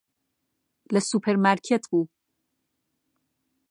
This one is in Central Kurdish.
لە سوپەرمارکێت بوو.